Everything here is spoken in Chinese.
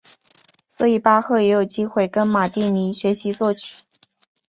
所以巴赫也有机会跟马蒂尼学习作曲。